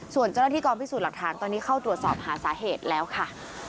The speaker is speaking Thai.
ส่วนเจ้าหน้าที่กองพิสูจน์หลักฐานตอนนี้เข้าตรวจสอบหาสาเหตุแล้วค่ะ